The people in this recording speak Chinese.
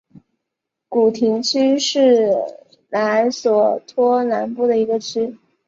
古廷区是莱索托南部的一个区。